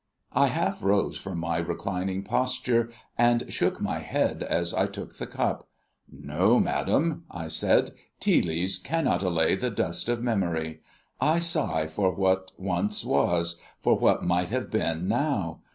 I half rose from my reclining posture, and shook my head as I took the cup. "No, madam," I said, "tea leaves cannot allay the dust of memory. I sigh for what once was, for what might have been now.